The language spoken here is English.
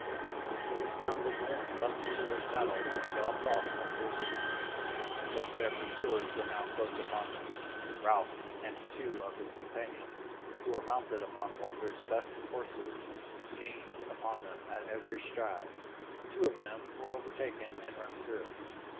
The dismounted men leaped to their saddles and galloped off at full speed, but their pursuers were now close upon them. Ralph and two of his companions, who were mounted upon Walter's best horses, gained upon them at every stride. Two of them were overtaken and run through.